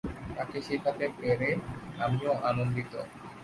তাকে শেখাতে পেরে আমিও আনন্দিত।